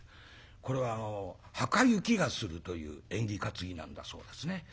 これははかゆきがするという縁起担ぎなんだそうですね。